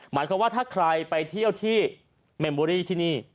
หมายความว่าถ้าใครไปเที่ยวที่เมมเบอรี่ที่นี่